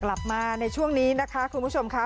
กลับมาในช่วงนี้นะคะคุณผู้ชมค่ะ